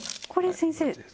これ先生。